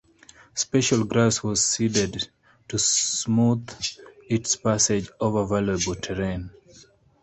Special grass was seeded to smooth its passage over valuable terrain.